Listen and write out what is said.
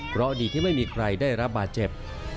เพราะดีที่ไม่มีใครได้รับบาดเจ็บ